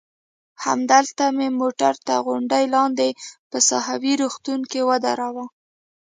همدلته مې موټر تر غونډۍ لاندې په ساحوي روغتون کې ودراوه.